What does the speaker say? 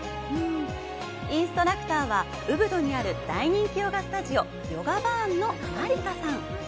インストラクターはウブドにある大人気ヨガスタジオ、ヨガバーンのマリカさん。